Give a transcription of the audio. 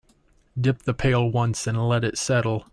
Dip the pail once and let it settle.